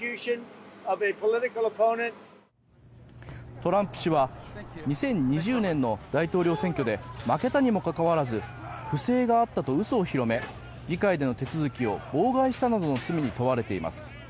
トランプ氏は２０２０年の大統領選挙で負けたにもかかわらず不正があったと嘘を広め議会での手続きを妨害したなどの罪に問われています。